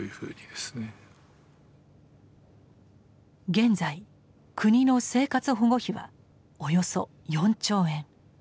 現在国の生活保護費はおよそ４兆円。